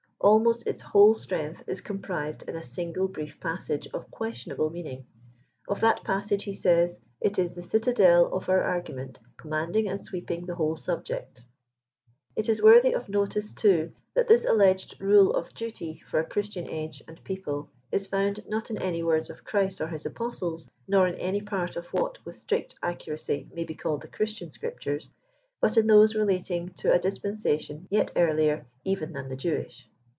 Almost its whole strength is comprised in a single brief passage of questibnable meaning. Of that passage he says "it is the citadel of our argument, com manding and sweeping the whole subject." It is Worthy of notice, too, that this alleged rule of duty for a Ohristian age and people is found, not in any words of Christ of his apostles, nor m any part of what with strict accuracy may be called the Christian scriptures ; but in thosp relating to a dispensation yet earlier even than the Jewish.